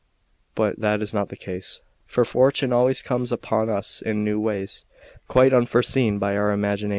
But that is not the case; for fortune always comes upon us in new ways, quite unforeseen by our imagination.